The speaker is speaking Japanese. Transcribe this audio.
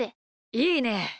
いいね！